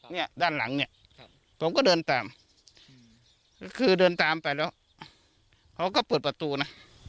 เนี่ยด้านหลังเนี่ยผมก็เดินตามคือเดินตามไปแล้วเขาก็เปิดประตูนะ